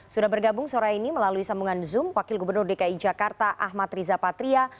sudah bergabung sore ini melalui sambungan zoom wakil gubernur dki jakarta ahmad riza patria